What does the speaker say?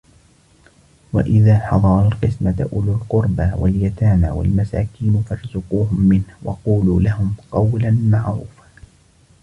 وَإِذَا حَضَرَ الْقِسْمَةَ أُولُو الْقُرْبَى وَالْيَتَامَى وَالْمَسَاكِينُ فَارْزُقُوهُمْ مِنْهُ وَقُولُوا لَهُمْ قَوْلًا مَعْرُوفًا